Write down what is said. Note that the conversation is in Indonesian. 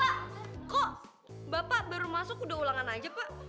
pak kok bapak baru masuk udah ulangan aja pak